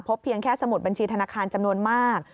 เพียงแค่สมุดบัญชีธนาคารจำนวนมาก